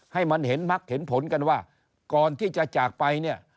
ให้มันเห็นมักเห็นผลกันว่าก่อนที่จะจากไปเนี่ย